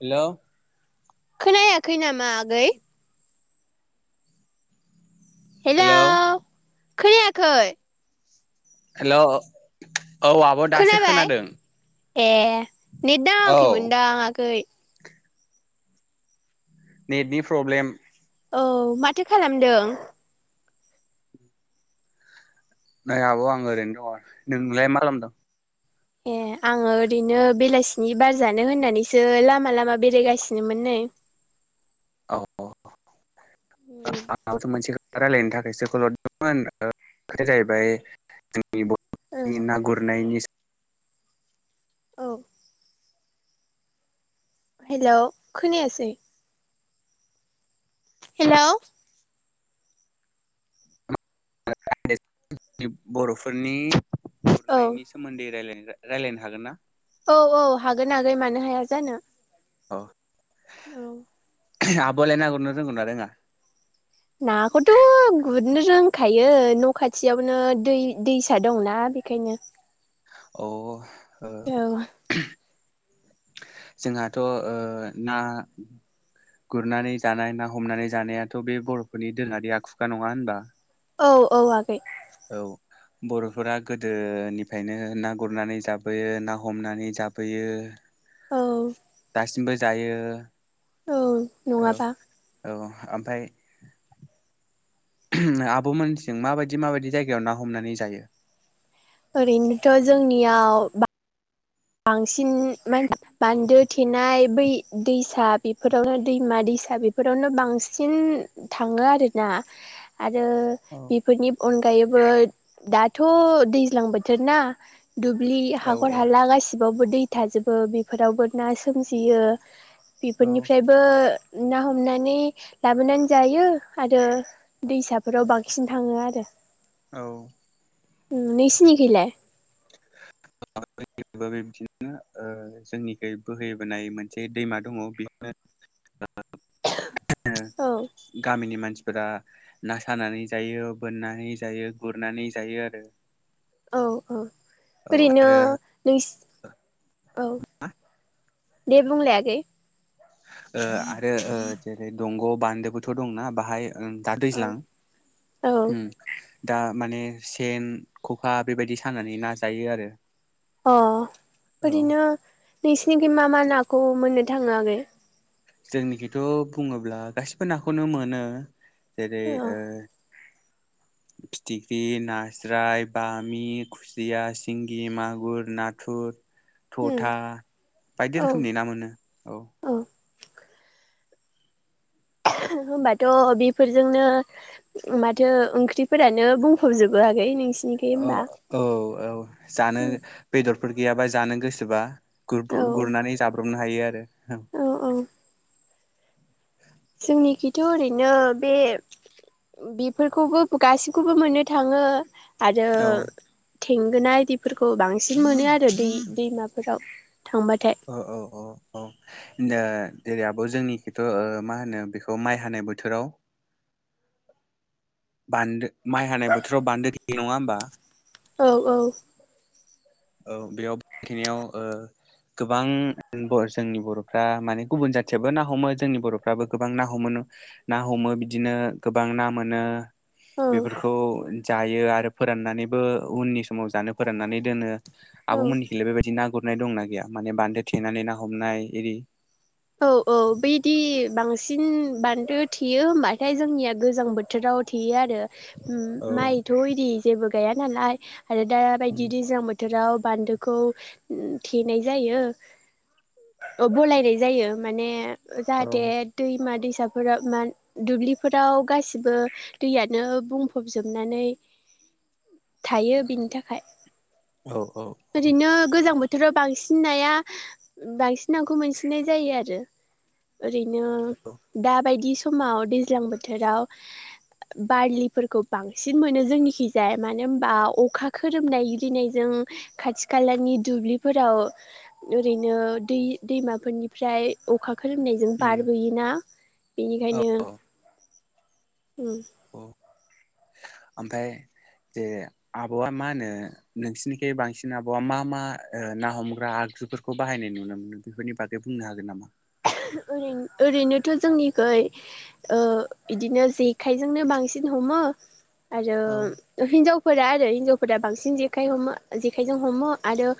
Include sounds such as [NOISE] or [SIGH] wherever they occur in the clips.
हेल' खोनायाखै नामा आगै हेलौ हेल' खोनायाखै हेल' औ आब' दासो खोनाबाय खोनादों। ए नेद औ खैमोनदां आगै। नेटनि प्रब्लेम। औ माथो खालामदों। नै आब' आं ओरैनो दङ नोंलाय मा खालामदों। ए आङो ओरैनो बेलासिनि बार जानो होननानैसो लामा लामा बेरायगासिनोमोन नै। [UNINTELLIGIBLE] औ आं मोनसे। रायलायनो थाखायसो खलरदोंमोन बे जाहैबाय। नि ओ बर'नि ना गुरनायनि औ। हेल' खोनायासै हेल'। बर'फोरनि औ गुरनायनि सोमोन्दै रायलायनो हागोन ना औ औ हागोन आगै मानो हाया जानो। औ औ। आब'लाय नागुरनो रोंगौना रोङा। नाखौथ' गुरनो रोंखायो न' खाथियावनो दै दैसा दंना। बेखायनो अ औ [UNINTELLIGIBLE] जोंहाथ' ना। गुरनानै जानाय ना हमनानै जानायाथ' बे बर'फोरनि दोनारि आखुखा नङा होनबा। औ औ आगै। औ बर'फोरा गोदोनिफ्रायनो ना गुरनानै जाबोयो ना हमनानै जाबोयो औ दासिमबो जायो औ नङाबा ओमफाय आब मोनथिं माबायदि माबायदि जायगायाव ना हमनानै जायो? ओरैनोथ' जोंनियाव बा बांसिन मा [UNINTELLIGIBLE] बान्दो थेनाय बै दैसा बेफोरावनो दैमा दै फिसा बेफोरावनो बांसिन थांङो आरोना आरो औ बेफोरनि अनगायैबो दाथ' दैज्लां बोथोर ना दुब्लि औ हखर औ हाला गासि बावबो दै थाजोबो बेफोरावबो ना सोमजियो औ बेफोरनिफ्रायबो ना हमनानै लाबोनानै जायो आरो दैसाफोराव बांसिन थाङो आरो औ नोंसिनिखैलाय? [UNINTELLIGIBLE] बिदिनो ओ जोंनिखै बोहैबोनाय मोनसे दैमा दङ बेखौनो [UNINTELLIGIBLE] [INAUDIBLE] गामिनि मानसि फोरा ना सानानै जायो बोननानै जायो गुरनानै जायो आरो औ औ औ ओरैनो आरो नोंसि औ दे बुंलाय आगै ओ आरो ओ जेरै दंग' बान्दोबोथ' दंना बाहाय ओं दा औ दैज्लां औ उ दा माने सेन ख'खा बेबायदि सानानै ना जायो आरो अ औ ओरैनो नोंसिनिखै मा मा नाखौ मोननो थाङो आगै? जोंनिखिथ' बुङोब्ला गासिबो नाखौनो मोनो जेरै अ ओ [INAUDIBLE] फिथिख्रि नास्राय बामि खुसिया सिंगि मागुर नाथुर उम थथा बायदि औ रोखोमनि ना मोनो औ आहम होनबाथ' बेफोरजोंनो माथो ओंख्रिफोरानो बुंफबजोबो आरो बै नोंसि ओ औ औ जानो उम बेदरफोर गैयाबा जानो गोसोबा औ गुरदर गुरनानै जाब्रबनो हायो आरो औ औ जोंनिखैथ' ओरैनो बे बेफोरखौबो गासैखौबो मोननो थाङो आरो औ थेंगोना इदिफोरखौ बांसिन मोनो आरो दै दैमाफोराव थांबाथाय ओ औ औ औ नो जेरै आब' जोंनिखथ' ओ मा होनो बेखौ माइ हानाय बोथोराव बान्दो माइ हानाय बोथोराव बान्दो थयो नङा होमबा औ औ औ बेयाव बेखिनियाव ओ गोबां उ बर जोंनि बर'फ्रा माने गुबुन जाथियबो ना हमो जोंनि बर'फ्राबो गोबां ना हमो ना हमो बिदिनो गोबां ना मोनो औ बेफोरखौ जायो आरो फोराननानैबो उननि समाव जानो फोराननानै दोनो औ आब मोनिखैलाय बेबायाददि ना गुरनाय दंना गैया माने बान्दो थेनानै ना हमनाय इदि औ औ बैदि बांसिन बानदो थियो होमबाथाय जोंनिया गोजां बोथोराव आव थेयो आरो औ माइथ' इदि जेबो गाया नालाय आरो द बायदि दैज्लां बोथोराव बान्दोखौ थेनाय जायो ओ बलायनाय जायो माने औ जाहाथे दैमा-दैस साफोरा मा दुब्लिफोराव गासिबो दैयानो बुंफबजोबनानै थायो बेनि थाखाय औ-औ-औ ओरैनो गोजां बोथोराव बांसिन नाया बांसिन नाखौ मोनसिननाय जायो आरो ओरैनो औ दाबायदि समाव दैज्लां बोथोराव बारलिफोरखौ बांसिन मोनो जोंनिखिजाय मानो होनबा अखा खोरोमनाय गिनायजों खाथि खालानि दुब्लिफोराव ओरैनो दै दैमा फोरनिफ्राय अखा खोरोमनायजों बारबोयोना बेनिखायनो औ ओम आमफाय जे आब'आ मा होनो नोंसिनिखै बांसिन आब'आ मा-मा ओ ना हमग्रा आगजुफोरखौ बाहायनाय नुनो मोनो बेफोरनि बागै बुंनो हागोन नामा [UNINTELLIGIBLE] ओरैनो ओरैनोथ' जोंनिखै ओ इदिनो जेखायजोंनो बांसिन हम मो आरो औ हिनजाव फोरा आरो हिनजावफोरा बांसिन जेखाइ हमो जेखायजों हमो आरो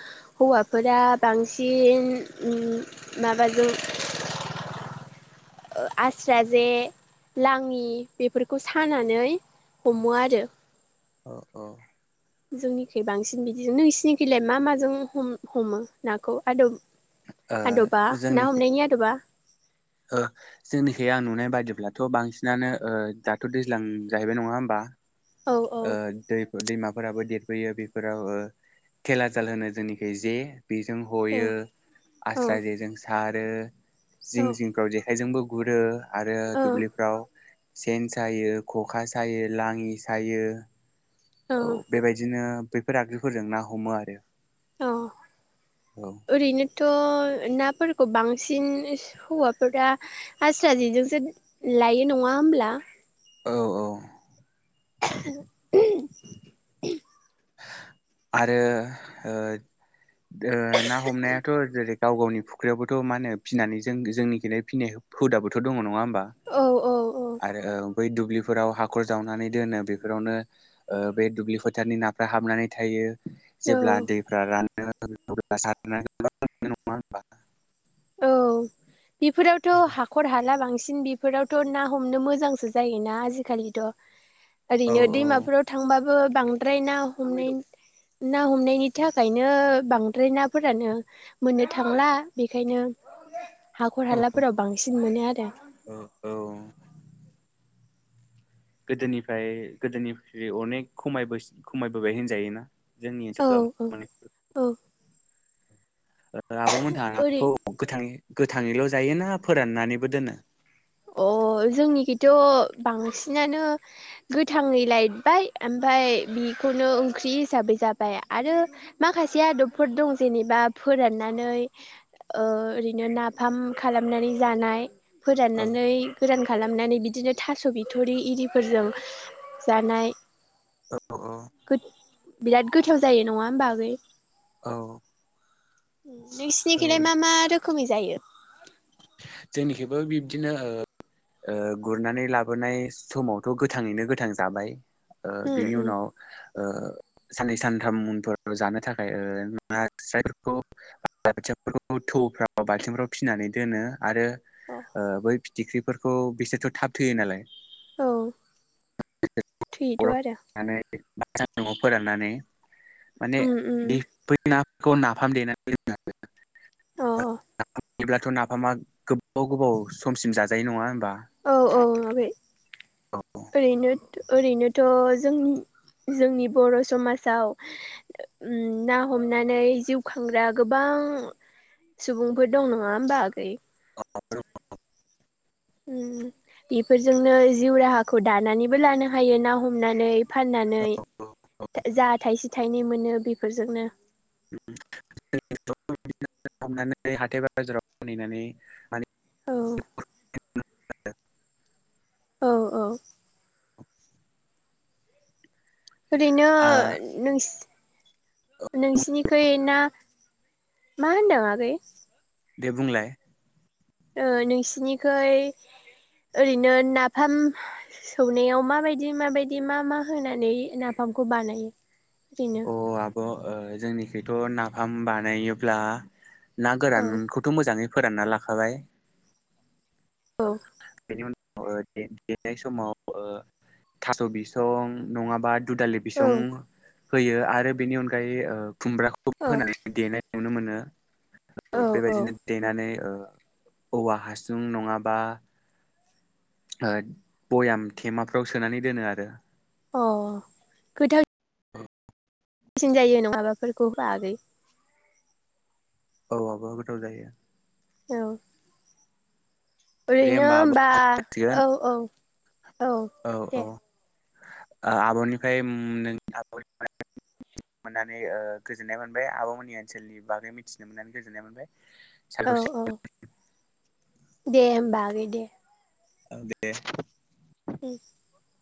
हौवाफोरा बांसि इन ओम माबाजों ओ आस्रा जे लाङि बेफोरखौ सानानै हमो आरो ओ औ जोंनिखै बांसिन बिदि नोंसिनिखैलाय मा माजों हम हमो नाखौ आदब आदबा ना जोंनिखै हमनायनि आदबा ओ जोंनिखै आं नुनाय बायदिब्लाथ' बांसिनानो ओ दाथ' दैज्लां जाहैबाय नङा होमबा औ औ ओ दैब दैमा फोराबो देरबोयो बेफोराव ओ खेला जाल होनो जोंनिखै जे बेजों औ हयो आस्रा औ जेजों सारो जिं जिंफ्राव जेखायजोंबो गुरो आरो औ दुब्लिफ्राव सेन सायो ख'खा सायो लाङि सा हायो औ बेबायदिनो बेफोर आगजुफोरजों ना हमो आरो औ औ ओरैनो थ' नाफोरखौ बांसिन हौवाफोरा आस्रा जेजोंसो लायो नङा होमब्ला औ-औ [UNINTELLIGIBLE] आरो ओ दो ना हमनायाथ' जेरै गाव गावनि फुख्रियावबोथ' मा होनो फिनानै जों जोंनिखैनो फिनाय हुदाबोथ' दङ नङा होमबा। बा औ औ औ आरो औ बै दुब्लिफोराव हाखर जावनानै दोनो बेफोरावनो ओ बे दुब्लि फोथारनि ना फ्रा हाबनानै थायो औ जेब्ला दैफ्रा रान [UNINTELLIGIBLE] औ इफोरावथ' औ हाखर हाला बांसि इफोरावथ' ना हमनो मोजांसो जायोना आजिखालिथ' औ ओरैनो औ दैमाफोराव थांबाबो बांद्राय ना हमनाय ना हमनायनि थाखायनो बांद्राय नाफोरानो मोननो थांला बे खायनो हाखर हालाफोराव बांसिन मोनो आरो औ औ गोदोनिफ्राय गोदोनिफ्रि अनेख खमायबोसि खमायबोबाय होनजायोना। जोंनि ओनसोलाव माने औ-औ-औ ओ आब'मोनहा खौ गोथां गोथाङैल' जायो ना फोराननानैबो दोनो? अ जोंनिखिथ' बांसिनानो गोथाङै लायबाय आमफाय बेखौनो ओंख्रि हिसाबै जाबाय आरो माखासे आदबफोर दं जेनेबा फोर फाननानै ओ ओरैनो नाफाम खालामनानै जानाय औ नानै गोरान खालामनानै बिदिनो थास' बिथरि इरिफोरजों जानाय औ औ गो बिराद गोथाव जायो नङा होमबा आगै औ औ नोंसिनिखलाय मा मा रोखोमै जायो? जोंनिखबो बिब्दिनो ओ गुरनानै लाबोनाय समावथ' गोथाङैनो गोथां जाबाय ओ उम बिनि उम उनाव ओ साननै सानथाम उनफोराव जानो थाखाय ओ [UNINTELLIGIBLE] थौफ्राव बालथिंफ्राव फिनानै दोनो आरो बै फिथिख्रिफोरखौ बिसोरथ' थाब थैयो नालाय औ थैयोथ' आरो सानदुंआव फोराननानै माने उम उम नाफाम देनानै अ लेब्लाथ' ना नाफामा गोबाव गोबाव समसिम जाजायो नङा होमबा औ औ आगै औ ओरैनो ओरैनोथ' जोंनि जोंनि बर' समाजाव ना हमनानै जिउ खांग्रा गोबां गोबां सुबुंफोर दं नङा होमबा आगै [UNINTELLIGIBLE] उम बेफोरजोंनो जिउ राहाखौ दानानैबो लानो हायो ना हमनानै औ फाननानै जा थाइसे थाइनै मोनो बेफोरजोंनो हाथाय बाजाराव फहैनानै माने औ [INAUDIBLE] औ औ ओरैनो ओ नों नोंसिनिखै ना मा होनदों आगै दे बुंलाय। ओ नोंसिनिखै ओरैनो नाफाम सौनायाव माबायदि माबायदि मा मा होनानै नाफाम खौ बानायो? अ आब'ओजोंनिखैथ' नाफाम बानायोल्बा ना ओरैनो औ गोरानखौथ' मोजाङै फोरानना लाखाबाय ओ औ सिनि अनगा ओ दे देनाय समाव ओ थास' बिसं नङाबा दुदालि बिसं औ होयो आरो बेनि अनगायै ओ खुमब्राखौ होनानै देनाय नुनो मोनो औ [UNINTELLIGIBLE] औ बेबायदिनो देनानै ओ औवा हासुं नङाबा ओ बयाम थेमाफ्राव सोनानै दोनो आरो। अ खैथा सिन जायो न माबाफोरखौ होबा आगै? औ आब''गोथाव जायो। औ। दे ओरैनो होमबा आब' होनबा जासिगोन औ औ औ दे। ओ आब'निफ्राय ओम नों आब'निफ्राय मोननानै गोजोननाय मोनबाय आब'मोननि ओनसोलनि बागै मिथिनो मोननानै गोजोननाय मोनबाय। औ साबायखर औ। दे होमबा आगै दे। औ दे। [UNINTELLIGIBLE]